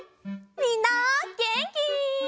みんなげんき？